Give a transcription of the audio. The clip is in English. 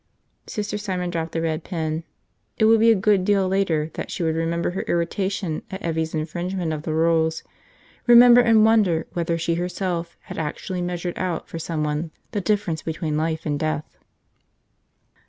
Sister Simon dropped the red pen. It would be a good deal later that she would remember her irritation at Evvie's infringement of the rules – remember and wonder whether she herself had actually measured out for someone the difference between life and death.